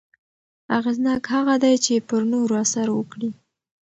اغېزناک هغه دی چې پر نورو اثر وکړي.